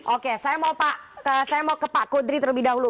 oke saya mau ke pak kudri terlebih dahulu